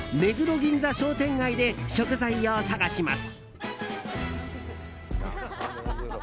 銀座商店街で食材を探します。